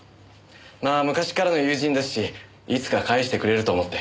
まあ昔からの友人ですしいつか返してくれると思って。